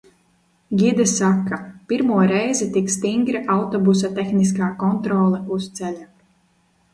Gide saka - pirmo reizi tik stingra autobusa tehniskā kontrole uz ceļa.